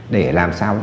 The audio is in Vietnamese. để làm sao